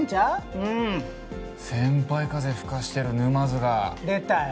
うん先輩風吹かしてる沼津が出たよ